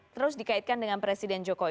terus dikaitkan dengan presiden jokowi